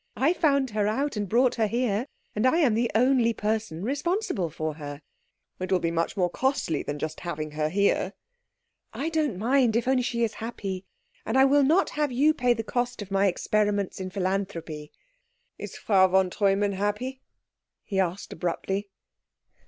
I found her out, and brought her here, and I am the only person responsible for her." "It will be much more costly than just having her here." "I don't mind, if only she is happy. And I will not have you pay the cost of my experiments in philanthropy." "Is Frau von Treumann happy?" he asked abruptly.